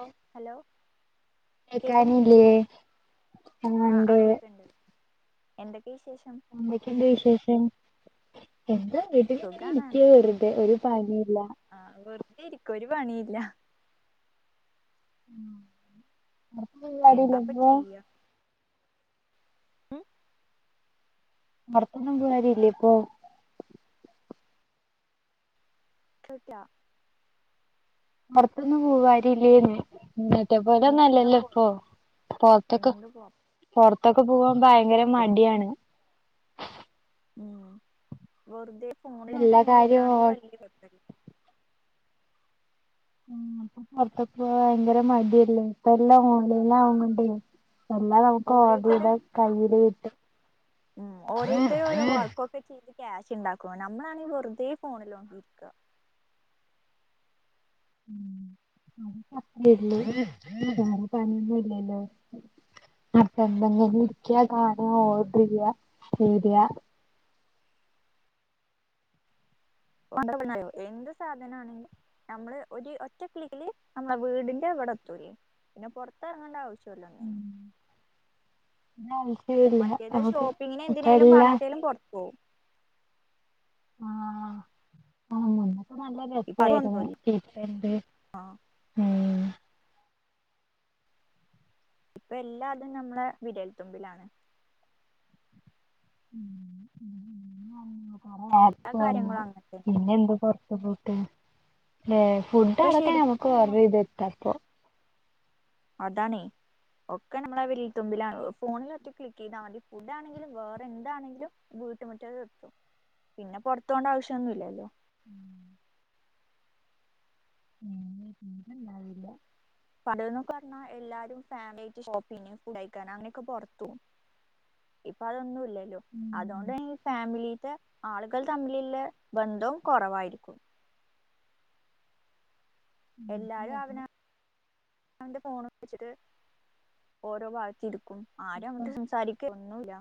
ഓഹ് hello കേക്കണില്ലേ കേക്കാനില്ലേ? ആഹ് ഇണ്ട് എന്തൊക്കെ വിശേഷം? എന്തൊക്കെണ്ട് വിശേഷം? എന്താ സുഖാണ് [unintelligible] വെറുതെ ഒരു പനിയില്ല ആഹ് വെറുതെ ഇരിക്ക ഒരു പണിയില്ല ഉം എന്നാപ്പ ചെയ്യ ഉം പൊർത്തൊന്നും പോവലില്ലേ ഇപ്പൊ? കേട്ട്ല പൊർത്തൊന്നും പോവരില്ലേന്ന് എന്നിട്ട പോല നല്ലല്ലോ എന്താപ്പോ ഇപ്പൊ പൊർത്തക്കെ എന്ത് പൊറത്തൊക്കെ പോകാൻ ഭയങ്കര കൊഴപ്പം മടിയാണ്. ഉ വെറുതെ ഫോണിൽ എല്ലാ നമുക്ക് ഇങ്ങനെ കാര്യവും ഓ ഇരിക്കയാണെങ്കിൽ വലിയ [unintelligible] അപ് അപ്പൊ ഭയങ്കര മടിയല്ലേ ഇപ്പ എല്ലാം ഓൺലൈൻ ആവണോണ്ട് എല്ലാം നമുക്ക് ഓരോരുത്തര് ഓടിടെ കയ്യില് ഇട്ട് ചേച്ചി ക്യാഷ് ഉണ്ടാക്കുവ നമ്മളാണെങ്ങ്കി വെറുതെ ഫോണില് നോക്കി ഇരിക്ക [unintelligible] പണിയൊന്നുല്ലല്ലോ അപ്പ എന്തെങ്കിലും ഇരിക്കയാ കാണ ഓർഡ ചെയ്യാ [unintelligible] എന്ത് സാധന ആണെ നമ്മള് ഒരു ഒറ്റക്ലിക്കില് നമ്മളെ വീടിന്റെ ഇവിടതൂലെ പിന്നെ പുറത്ത് ഇറങ്ങേണ്ട ആവശ്യമല്ലോ മറ്റേത് [unintelligible] ഇപ്പ എല്ലാം ഓഹ് ആഹ് അന്നൊക്കെ നല്ല ഇപ്പൊ രസായിരുന്നു അതൊന്നുല്ല ഇപ്പെന്ത് ആഹ് ഇപ്പ എല്ലാ അതും നമ്മളെ വിരൽത്തുമ്പിലാണ് എല്ലാ കാര്യങ്ങളും ന്നു അങ്ങനത്തെ പിന്നെ എന്ത് പോറത്തുന്ന്. അല്ലേ ഫുഡ് ഇപ്പൊ അടക്കം ശരിക്കും ഞമ്മക്ക് നമ്മ ഓഡർ ചെയ്ത് വരത്താം ഇപ്പൊ. അതാണേ. ഒക്കെ നമ്മളെ വിരൽ തുമ്പിലാണല്ലോ ഫോണിൽ ഒറ്റ ക്ലിക്ക് ചെയ്താമതി ഫുഡ് ആണെങ്കിലും വേറെ എന്താണെങ്കിലും. വീട്ടുമുറ്റത്ത് എത്തു പിന്നെ പുറത്ത് പോകേണ്ട ആവശ്യം ഒന്നുമില്ലല്ലോ. ഉം [inaudible] ഉം പിന്നെ ഉണ്ടാവില്ല. പണ്ട് എന്ന് ഒക്കെ പറഞ്ഞാ എല്ലാരും ഫാമിലിട്ട് ഷോപ്പിങ്, ഫുഡ് കഴിയ്ക്കാന് അങ്ങനെയൊക്കെ പുറത്തു പോകും. ഇപ്പഅതൊന്നുല്ല. ഇല്ലല്ലോ ഉം അതുകൊണ്ട് തന്നെ ഈ ഫാമിലിത്തെ ആളുകൾ തമ്മിലുള്ള ബന്ധം കുറവായിരിക്കും. എല്ലാരും അവനവ അവന്റെ ഫോൺ വെച്ചിട്ട് ഓരോ ഭാഗത്ത് ഇരിക്കും ആരും ഇപ്പം അങ്ങോട്ട് സംസാരിക്ക് ഒന്നുമില്ല.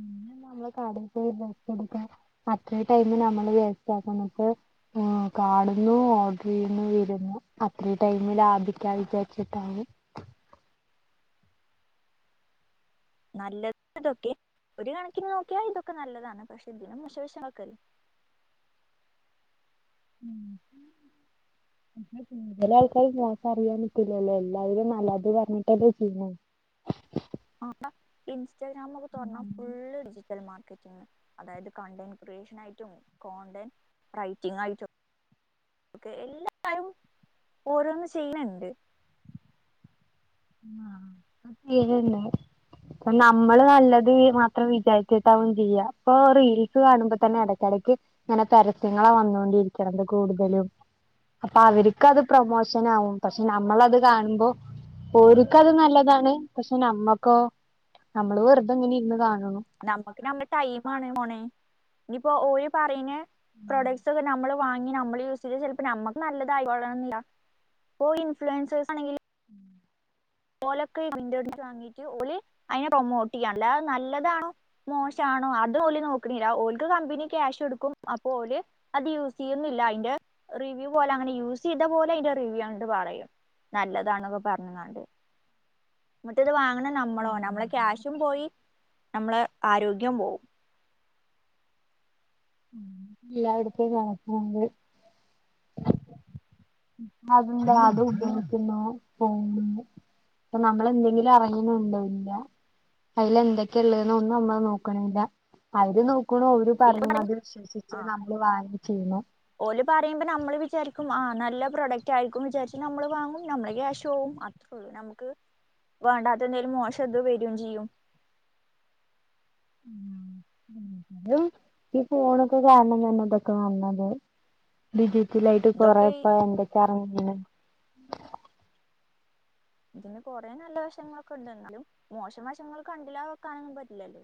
പിന്നെ നമ്മള് കടെക്ക് പോയി ഡ്രസ്സ് എടുക്കാൻ അത്രയും ടൈമ് നമ്മള് വസ്റ്റ്ക്കാണിപ്പോ. ആഹ് കാണുന്നു, ഓർഡർ ചെയ്യുന്നു, വരുന്നു, അത്രയും ടൈമ് ലാഭിക്കാ വിചാരിച്ചിട്ടാവും. നല്ലത് ഇതൊക്കെ ഒരു കണക്കിന് നോക്കിയാൽ ഇതൊക്കെ നല്ലതാണ് പക്ഷെ ഇതിനും മശവശ ആള്ക്കാര്. കൂടുതല് ആൾക്കാര് മോശം അറിയാൻ പറ്റില്ലല്ലോ എല്ലാവരും നല്ലത് പറഞ്ഞിട്ടല്ലേ ചെയ്യണത്. ആഹ് ഇൻസ്റ്റാഗ്രാം ഒക്കെ തോറന്നാ ഫുള്ള് ഡിജിറ്റൽ മാർക്കറ്റിംങാ. അതായത് കണ്ടന്റ് ക്രിയേഷൻ ആയിട്ടും, കോണ്ടന്റ് റൈറ്റിംഗ് ആയിട്ടും. ഏഹ്എല്ലാരും ഓരോന്ന് ചെയ്യണുണ്ട്. ആഹ്. [unintelligible] അപ്പ നമ്മള് നല്ലത് മാത്രം വിചാരിച്ചിട്ടാവും ചെയ്യുക ഇപ്പൊ റീൽസ് കാണുമ്പോ തന്നെ ഇടയ്ക്കിടക്ക്. ഇങ്ങനെ പരസ്യങ്ങളെ വന്നുകൊണ്ടിരിക്കണത് കൂടുതലും. അപ്പൊ അവർക്ക് അത് പ്രൊമോഷൻ ആവും പക്ഷെ നമ്മളത് കാണുമ്പോ. ഒരുക്കത് നല്ലതാണ് പക്ഷെ നമ്മക്കോ നമ്മള് വെറുതെ ഇങ്ങനെ ഇരുന്ന് കാണണു. നമ്മുക്ക് നമ്മള് ടൈമ് ആണ് പോണേ ഇനിയിപ്പോ ഓര് പറയുന്ന പ്രൊഡക്ട്സ് ഒക്കെ നമ്മള്. വാങ്ങി നമ്മള് യൂസ് ചെയതാ ചിലപ്പം നമുക്ക് നല്ലതായി കൊള്ളണമെന്നില്ല ഓര് ഇൻഫ്ളുവേഴ്സേസ് ആണെങ്കില് ലൊക്കെ വിൻഡോസ് വാങ്ങീട്ട് ഓലെ അതിനെ പ്രൊമോട്ട് ചെയ്യാണ് അത് നല്ലതാണോ. മോശമാണോ അത് ഓല് നോക്കണില്ല ഓല്ക്ക് കമ്പനി ക്യാഷ് കൊടുക്കും അപ്പൊ ഓല്. അത് യൂസ് ചെയ്യുന്നില്ല അതിന്റെ റിവ്യൂ പോലെ അങ്ങനെ യൂസ് ചെയ്ത പോലെ അതിന്റെ റിവ്യൂ അങ്ങോട്ട് പറയും. നല്ലതാണ് എന്നൊക്കെ പറഞ്ഞു ങ്ങാണ്ട്. എന്നിട്ട് ഇത് വാങ്ങണ നമ്മളോ നമ്മളെ ക്യാഷും പോയി നമ്മളെ ആരോഗ്യം പോവും. [unintelligible] എല്ലാവിടത്തെ കണക്കുണ്ട്. അത് നമ്മള് അത് ഉപയോഗിക്കുന്നു പോകുന്നു. അപ്പൊ നമ്മള് എന്തെങ്കിലും അറിയുന്നുണ്ടോ ഇല്ല. അതില് എന്തൊക്കെയുള്ളത് ഒന്നും നമ്മള് നോക്കണില്ല അവര് നോക്കണു ഓര് ഇല്ല പറഞ്ഞുങ്ങാട്ട് അത് വിശ്വസിച്ച് നമ്മള് വാങ്ങി ചെയ്യണു. ഓര് പറയുമ്പോ നമ്മള് വിചാരിക്കും ആഹ് നല്ല പ്രൊഡക്റ്റ് ആയിരിക്കും വിചാരിച്ച് നമ്മള് വാങ്ങും നമ്മള് ക്യാഷ് ഷ് പോവും അത്രേ ഉള്ളൂ നമുക്ക് വേണ്ടാത്ത എന്തേലും മോശം എതു വരുകയും ചെയ്യും. ഏഹ് ഈ ഫോണൊക്കെ കാരണം തന്നെ ഇന്തൊക്കെ വന്നത്. ഡിജിറ്റിലായിട്ട് കൊറേ ഇതൊക്കെ ഇപ്പം എന്തൊക്കെയാ ഇറങ്ങിക്കണേ. ഇതിന് കൊറെേ നല്ല വശങ്ങളൊക്കെ ഉണ്ട് എന്നാലും മോശം വശങ്ങൾ കണ്ടില്ലാ വെക്കാനൊന്നും പറ്റില്ലല്ലോ.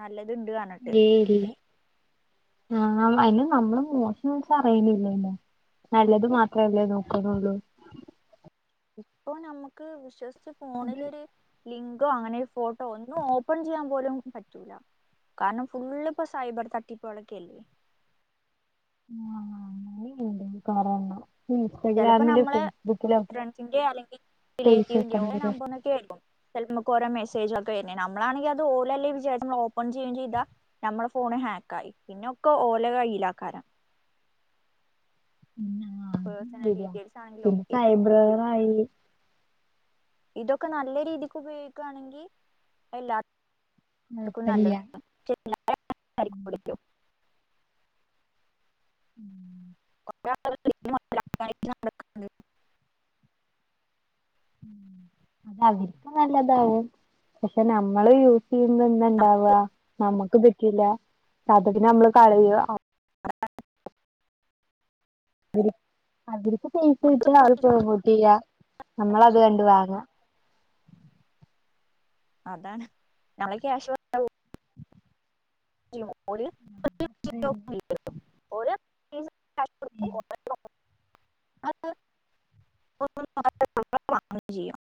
നല്ലത് ഉണ്ട് കാണണം. ലേഡിയെ. ഉ [unintelligible] ആഹ് അതിന് നമ്മള് മോശം വശം അറിയുന്നില്ലല്ലോ. നല്ലത് മാത്രമല്ലേ നോക്കുന്നുള്ളൂ. ഇപ്പൊ നമുക്ക് വിശ്വസിച്ച് ഫോണിലൊരു. ലിങ്കോ അങ്ങനെ ഫോട്ടോ ഒന്നു ഓപ്പൺ ചെയ്യാൻ പോലും പറ്റൂല കാരണം ഫുള്ള് ഇപ്പൊ സൈബർ തട്ടിപ്പ്കളോക്കെല്ലേ [unintelligible] ചിലപ്പോ ഇൻസ്റ്റഗ്രാമിലും ഫേസ്ബുക്കിലു ഒക്കെ റിലേറ്റീവിന്റോ നമ്പർന്നൊക്കെ ആയിരിക്കും മുക്ക് ഓരോ മെസേജ് ഒക്കെ വര്ന്നെ നമ്മളാണങ്കി അത് ഓലല്ലേ വിചാരിച്ച് നമ്മൾ ഓപ്പൺ ചെയ്യും ചെയ്താ നമ്മളെ ഫോണ് ഹാക്ക് ആയി പിന്നൊക്കെ ഓല കയ്യിലാക്കാരം പിന്നെ അത് പേഴ്സണൽ ഡീറ്റെയിൽസ് ആണെങ്കിലും പിന്നെ ഒക്കെ സൈബ്രറായി ഇതൊക്കെ നല്ല രീതിക്ക് ഉപയോഗിക്കാണെങ്കി എല്ലാ ത്രക്കും നല്ലതാ കുഴപ്പല്ല്യ [unintelligible] ഉം [unintelligible] കാണിക്ക്‌ണ [unintelligible] [unintelligible] നല്ലതാവും പക്ഷെ നമ്മള് യു പിന്നന്താ നമ്മ- ഇണ്ടാവ നമ്മുക്ക് പറ്റില്ല അത് പിന്നെ നമ്മള് കളയ അവരി അവരിക്ക് പൈസ കിട്ട നമ്മള് അത് സൂക്ഷിച്ചു. പ്രമോട്ട് ചെയ്യ നമ്മളത് കണ്ട് വാങ്ങാ അതാണ് നമ്മളെ ക്യാഷ് വ [unintelligible] അത്രേയുള്ളൂ ഓല് ഉം അത് [unintelligible] ചെയ്യും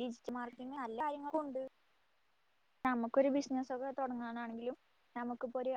ഡിജിറ്റൽ മാർക്കിങ്ങ് നല്ല കാര്യങ്ങളും ഉണ്ട് നമുക്കൊരു ബിസ്നസൊക്കെ തൊട്ങ്ങാനാണെങ്കിലും നമുക്ക് പ്പൊര്